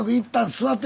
座って。